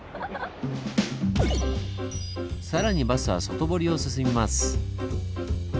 更にバスは外堀を進みます。